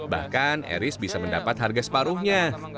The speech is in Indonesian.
bahkan eris bisa mendapat harga separuhnya